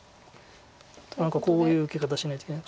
何かこういう受け方しないといけない。